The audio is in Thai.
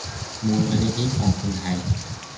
มูลนิธิกองทุนไทย